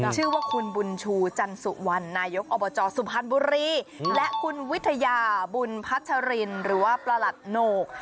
ชื่อว่าคุณบุญชูจันสุวรรณนายกอบจสุพรรณบุรีและคุณวิทยาบุญพัชรินหรือว่าประหลัดโหนก